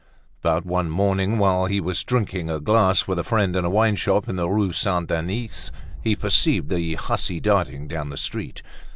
But one morning while he was drinking a glass with a friend in a wineshop in the Rue Saint Denis, he perceived the hussy darting down the street.